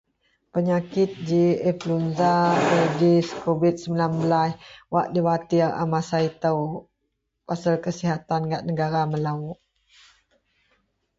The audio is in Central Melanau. Penyakit ji apluenza [unintelligible] ji kubid 19 wak diwatir a masa itou pasel kesihatan gak negara melou